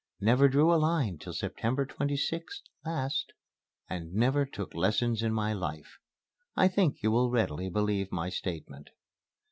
Never drew a line till September 26 (last) and never took lessons in my life. I think you will readily believe my statement."